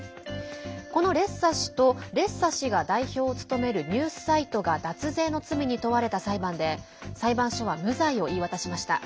このレッサ氏が代表を務めるニュースサイトが脱税の罪に問われた裁判で裁判所は無罪を言い渡しました。